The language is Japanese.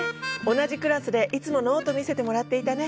同じクラスで、いつもノート見せてもらっていたね。